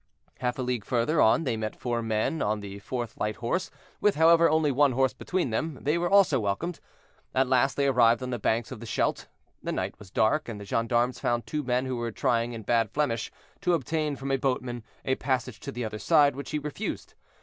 Half a league further on they met four men of the 4th Light Horse, with, however, only one horse between them; they were also welcomed. At last they arrived on the banks of the Scheldt; the night was dark, and the gendarmes found two men who were trying, in bad Flemish, to obtain from a boatman a passage to the other side, which he refused.